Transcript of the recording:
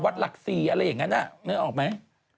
วัดหลัก๔อะไรอย่างนั้นอ่ะนึกออกมั้ย